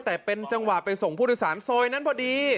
แต่เป็นจังหวะไปส่งผู้โดยสารซอยนั้นพอดี